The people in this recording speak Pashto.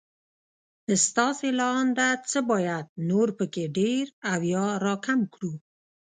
ستاسې له انده څه بايد نور په کې ډېر او يا را کم کړو